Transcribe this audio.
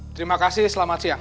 terima kasih selamat siang